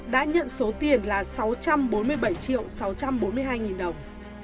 đã nhận số tiền là sáu trăm bốn mươi sáu triệu đồng